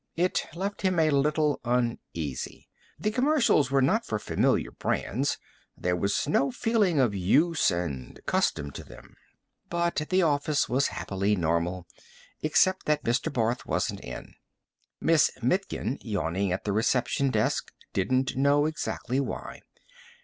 It left him a little uneasy. The commercials were not for familiar brands; there was no feeling of use and custom to them. But the office was happily normal except that Mr. Barth wasn't in. Miss Mitkin, yawning at the reception desk, didn't know exactly why.